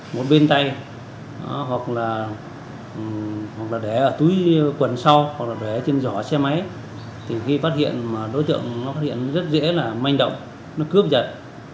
một bên tay hoặc là để ở túi quần sau hoặc là để trên giỏ xe máy thì khi phát hiện đối tượng nó phát hiện rất dễ là manh động nó cướp giật